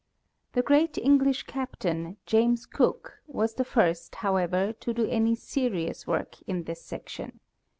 The great English captain, James Cook, was the first, however, to do any serious work in this section.